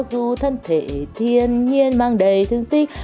dù thân thể thiên nhiên mang đầy thương tích